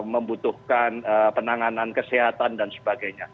membutuhkan penanganan kesehatan dan sebagainya